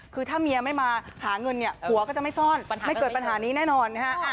คือถ้าเมียไม่มาหาเงินเนี่ยผัวก็จะไม่ซ่อนไม่เกิดปัญหานี้แน่นอนนะฮะ